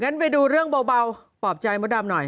ไปดูเรื่องเบาปลอบใจมดดำหน่อย